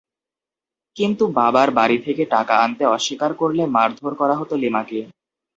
কিন্তু বাবার বাড়ি থেকে টাকা আনতে অস্বীকার করলে মারধর করা হতো লিমাকে।